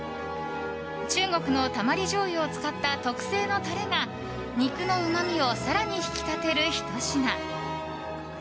中国のたまりじょうゆを使った特製のタレが肉のうまみを更に引き立てるひと品。